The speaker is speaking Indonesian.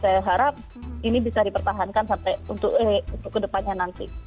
saya harap ini bisa dipertahankan sampai untuk kedepannya nanti